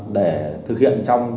để thực hiện